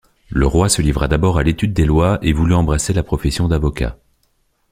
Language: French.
Leroy se livra d’abord à l’étude des lois et voulut embrasser la profession d’avocat.